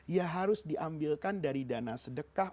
ya harus diambilkan dari dana sedekah